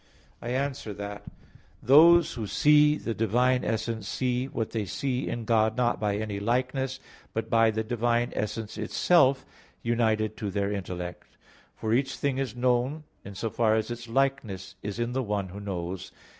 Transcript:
I answer that, Those who see the divine essence see what they see in God not by any likeness, but by the divine essence itself united to their intellect. For each thing is known in so far as its likeness is in the one who knows.